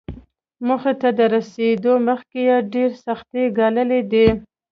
موخې ته تر رسېدو مخکې يې ډېرې سختۍ ګاللې دي.